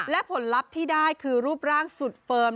และผลลัพธ์ที่ได้คือรูปร่างสุดเฟิร์ม